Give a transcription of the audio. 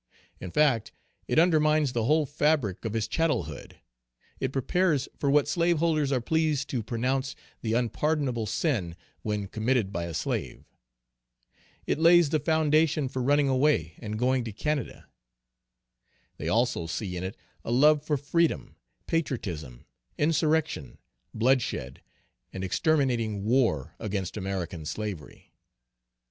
In fact, it undermines the whole fabric of his chattelhood; it prepares for what slaveholders are pleased to pronounce the unpardonable sin when committed by a slave. It lays the foundation for running away, and going to Canada. They also see in it a love for freedom, patriotism, insurrection, bloodshed, and exterminating war against American slavery.